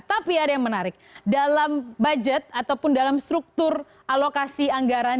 tapi ada yang menarik dalam budget ataupun dalam struktur alokasi anggaran